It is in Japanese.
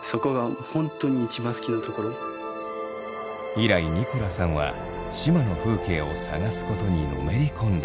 以来ニコラさんは志摩の風景を探すことにのめり込んだ。